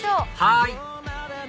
はい！